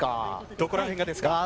どこら辺がですか？